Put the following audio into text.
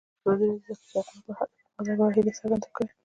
ازادي راډیو د د ښځو حقونه د پرمختګ په اړه هیله څرګنده کړې.